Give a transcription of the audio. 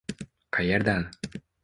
Qayerdan?